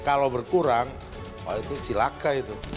kalau berkurang itu silaka itu